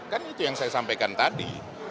kan itu yang saya sampaikan tadi